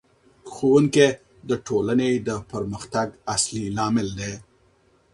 ښوونکی د ټولنې د پرمختګ اصلي لامل دی.